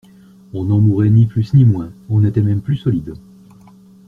On n'en mourait ni plus ni moins … On était même plus solide.